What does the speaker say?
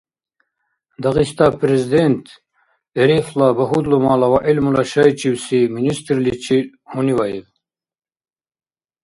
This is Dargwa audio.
Дагъиста Президент РФ-ла багьудлумала ва гӏилмула шайчивси министрличил гьуниваиб